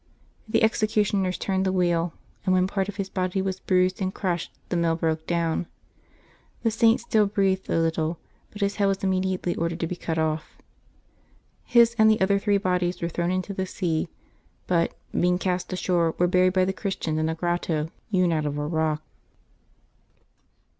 The executioners turned the wheel, and when part of his body was bruised and crushed the mill broke down. The Saint still breathed a little, but his head was immediately ordered to be cut off. His and the other three bodies were thrown into the sea, but, being cast ashore, were buried by the Christians in a grotto hewn out of a rock.